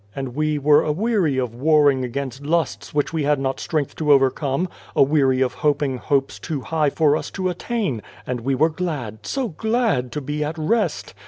And we were a weary of warring against lusts which we had not strength to overcome ; a weary of hoping hopes too high for us to attain ; and we were glad so glad ! to be at rest.